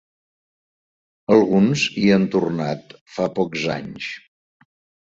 Alguns hi han tornat fa pocs anys.